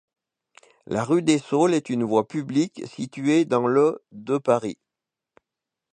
La rue des Saules est une voie publique située dans le de Paris.